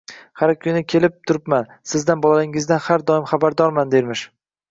Har kuni kelib turibman. Sizdan, bolalaringizdan har doim xabardorman, dermish.